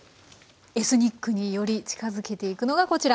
エスニックにより近づけていくのがこちら。